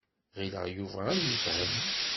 Ɣileɣ Yuba ad yefhem.